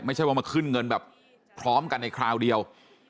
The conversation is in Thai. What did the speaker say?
ไม่ใช่ว่ามาขึ้นเงินแบบพร้อมกันในคราวเดียว